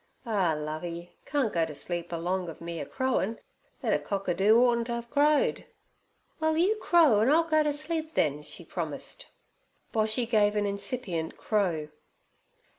'Ah, Lovey! carn't go asleep along ov me a crowin'. Thet cock a doo oughtn't t' 'ave crowed.' 'Well, you crow, an' I'll go t' sleep then' she promised. Boshy gave an incipient crow.